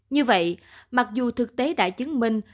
như vậy mặc dù thực tế đã chứng minh